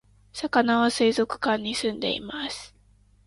さかなは水族館に住んでいます